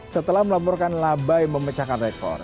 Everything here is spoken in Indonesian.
setelah melaporkan labai memecahkan rekor